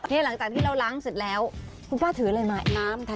ขั้นตอนนี้ล้างใช่ไหมคะ